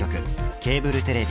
ケーブルテレビ